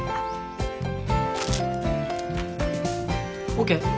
ＯＫ？